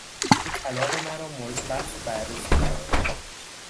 او طلاق مرا مورد بحث و بررسی قرار داد.